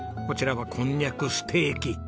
こちらがこんにゃくステーキ。